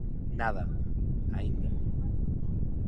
Nada. Aínda.